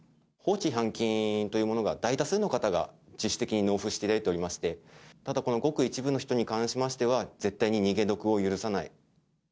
放置違反金というものが、大多数の方が自主的に納付していただいておりまして、ただ、このごく一部の人に関しましては、絶対に逃げ得を許さない。